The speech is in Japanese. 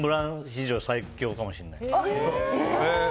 史上最強かもしれない。